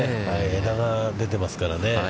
枝が出てますからね。